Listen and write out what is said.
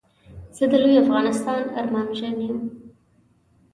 زه د لوي افغانستان ارمانژن يم